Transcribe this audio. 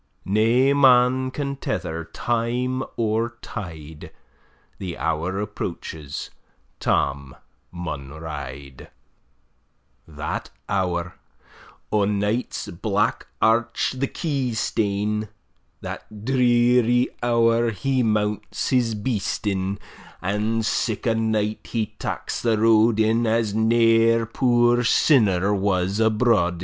Nae man can tether time or tide; The hour approaches Tam maun ride; That hour, o' night's black arch the key stane, That dreary hour he mounts his beast in, And sic a night he taks the road in; As ne'er poor sinner was abroad in.